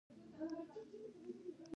تاریخ د خپل ولس د درناوي لامل دی.